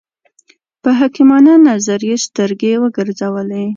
په حکیمانه نظر یې سترګې وګرځولې.